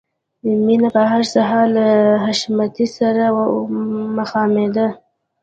مینه به هر سهار له حشمتي سره مخامخېده